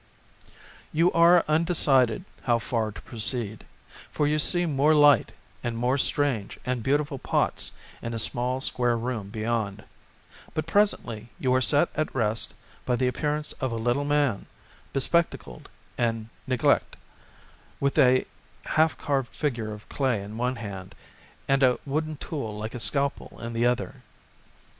You are undecided how far to proceed, for you see more light and more strange and beautiful pots in a small square room beyond ; but presently you are set at rest by the appearance of a little man, bespec tacled and neglige, with a half carved figure of clay in one hand and a wooden tool like a scalpel in the other.